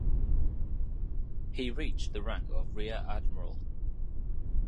He reached the rank of rear admiral.